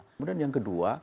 kemudian yang kedua